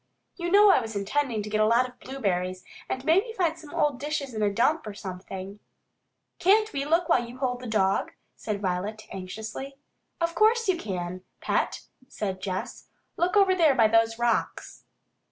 You know I was intending to get a lot of blueberries, and maybe find some old dishes in a dump or something " "Can't we look while you hold the dog?" asked Violet anxiously. "Of course you can, Pet!" said Jess. "Look over there by those rocks."